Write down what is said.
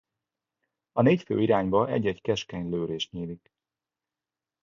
A négy fő irányba egy-egy keskeny lőrés nyílik.